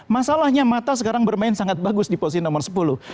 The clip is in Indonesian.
masalahnya mata sekarang bermain sangat bagus di posisi nomor sepuluh